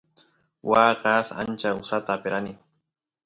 waa kaas achka usata aperani